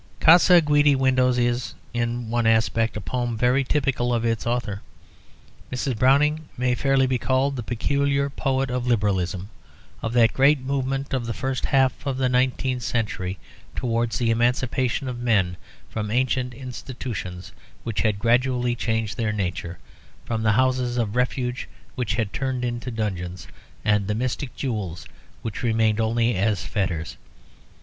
"Casa Guidi Windows" is, in one aspect, a poem very typical of its author. Mrs. Browning may fairly be called the peculiar poet of Liberalism, of that great movement of the first half of the nineteenth century towards the emancipation of men from ancient institutions which had gradually changed their nature, from the houses of refuge which had turned into dungeons, and the mystic jewels which remained only as fetters.